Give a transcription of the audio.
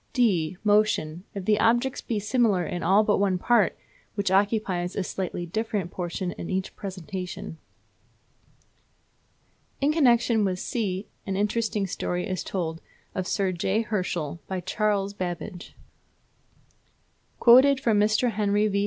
(d) Motion, if the objects be similar in all but one part, which occupies a slightly different portion in each presentation. In connection with (c) an interesting story is told of Sir J. Herschel by Charles Babbage: Quoted from Mr. Henry V.